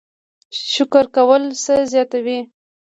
شکر کول څه زیاتوي؟